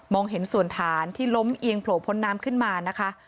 เห็นส่วนฐานที่ล้มเอียงโผล่พ้นน้ำขึ้นมานะคะ